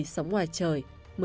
một mươi sống ngoài trời